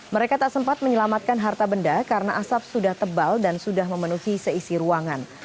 mereka tak sempat menyelamatkan harta benda karena asap sudah tebal dan sudah memenuhi seisi ruangan